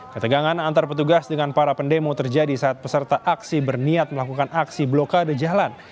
ketegangan antar petugas dengan para pendemo terjadi saat peserta aksi berniat melakukan aksi blokade jalan